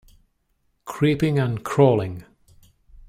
Creeping and crawling.